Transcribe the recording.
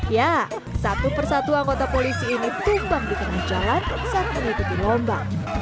ya satu persatu anggota polisi ini tumbang di tengah jalan saat mengikuti lomba